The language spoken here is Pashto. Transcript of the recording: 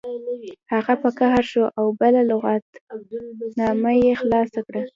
هغه په قهر شو او بله لغتنامه یې خلاصه کړه